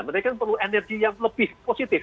mereka perlu energi yang lebih positif